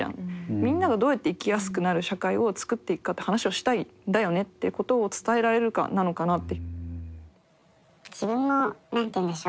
みんながどうやって生きやすくなる社会をつくっていくかって話をしたいんだよねっていうことを伝えられるかなのかなって。